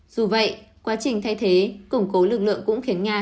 dù vậy quá trình thay thế củng cố lực lượng cũng khiến nga